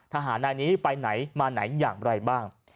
นายนี้ไปไหนมาไหนอย่างไรบ้าง